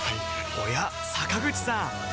おや坂口さん